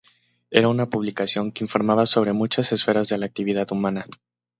Era una publicación que informaba sobre muchas esferas de la actividad humana.